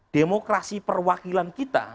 demokrasi perwakilan kita